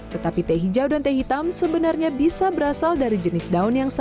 tetapi teh hijau dan teh hitam sebenarnya bisa berasal dari jenis daun yang sama